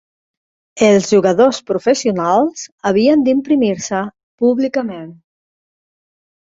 Els jugadors professionals havien d'imprimir-se públicament.